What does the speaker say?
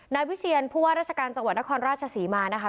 นายวิเชียนผู้ว่าราชการจังหวัดนครราชศรีมานะคะ